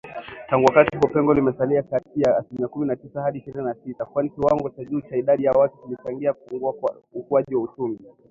Tangu wakati huo pengo limesalia kati ya asilimia kumi na tisa hadi ishirini na sita, kwani kiwango cha juu cha idadi ya watu kilichangia kupungua kwa ukuaji wa uchumi.